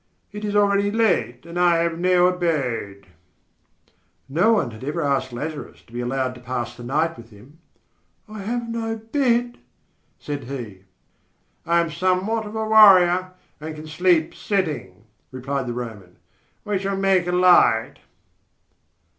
It is already late, and I have no abode." Nobody had ever asked Lazarus to be allowed to pass the night with him. "I have no bed," said he. "I am somewhat of a warrior and can sleep sitting," replied the Roman. "We shall make a light."